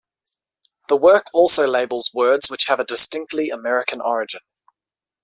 The work also labels words which have a distinctly American origin.